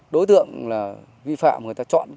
đối tượng là vi phạm người ta chọn